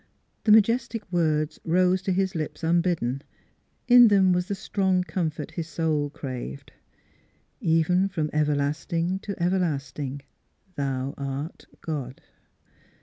" The majestic words rose to his lips unbidden; in them was the strong comfort his soul craved: " even from everlasting to everlasting thou art God."